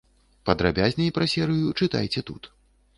Падрабязней пра серыю чытайце тут.